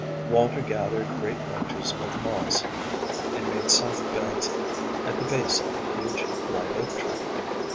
Walter gathered great bunches of moss, and made soft beds at the base of a huge live oak tree.